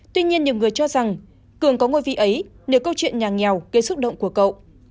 tuy nhiên nhiều người cho rằng cường có ngôi vị ấy nếu câu chuyện nhà nghèo gây xúc động của cậu